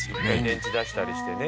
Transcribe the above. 電池出したりしてね。